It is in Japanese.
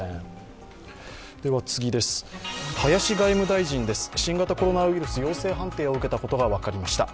林外務大臣です、新型コロナウイルス陽性判定を受けたことが分かりました。